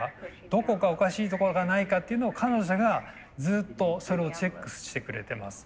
どこかおかしいところがないかっていうのを彼女がずっとそれをチェックしてくれてます。